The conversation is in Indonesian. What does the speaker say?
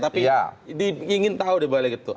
tapi di ingin tahu di balik itu